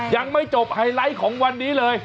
ยังไม่จบไฮไลท์ของวันนี้เลย